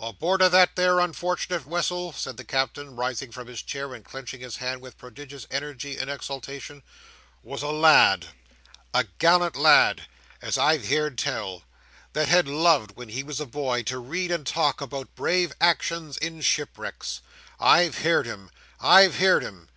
"Aboard o' that there unfort'nate wessel," said the Captain, rising from his chair, and clenching his hand with prodigious energy and exultation, "was a lad, a gallant lad—as I've heerd tell—that had loved, when he was a boy, to read and talk about brave actions in shipwrecks—I've heerd him! I've heerd him!